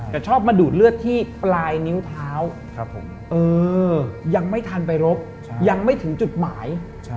แต่ชอบมาดูดเลือดที่ปลายนิ้วเท้ายังไม่ทันไปรบยังไม่ถึงจุดหมาย